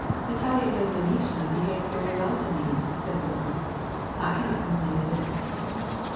" Natalya Ilyinishna behaves very well to me," said Boris, "I cannot complain of it."